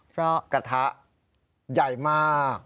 เพราะกระทะใหญ่มาก